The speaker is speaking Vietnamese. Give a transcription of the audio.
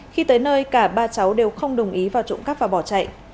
khi tới nơi cả ba cháu đều không đồng ý vào trộm cắp và bỏ chạy